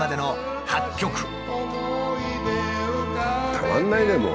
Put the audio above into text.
たまんないねもう。